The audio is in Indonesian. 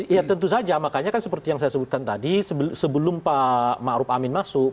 ya tentu saja makanya seperti yang saya sebutkan tadi sebelum pak maruf amin masuk